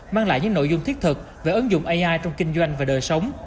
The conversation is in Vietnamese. mang lại những nội dung thiết thực về ứng dụng ai trong kinh doanh và đời sống